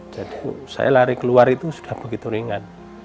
jadi saya lari keluar itu sudah begitu ringan